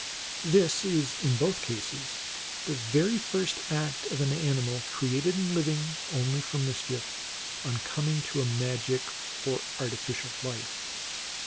This is, in both cases, the very first act of an ani mal, created and living only for mischief, on coming to a magic or artificial life.